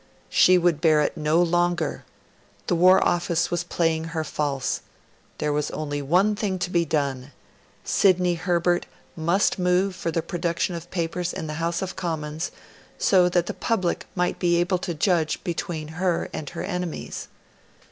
She would bear it no longer; the War Office was playing her false; there was only one thing to be done Sidney Herbert must move for the production of papers in the House of Commons, so that the public might be able to judge between her and her enemies.